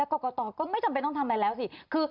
กรกตก็ไม่จำเป็นต้องทำอะไรแล้วสิ